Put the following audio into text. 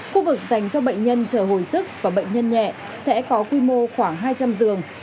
khu vực dành cho bệnh nhân chờ hồi sức và bệnh nhân nhẹ sẽ có quy mô khoảng hai trăm linh giường